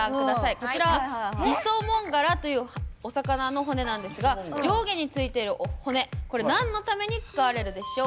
こちらはイソモンガラという魚の骨なんですが上下についている骨、これなんのために使われるでしょう？